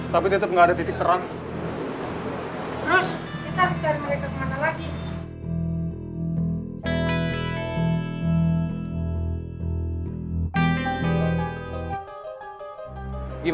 tapi tetep gak ada titik terang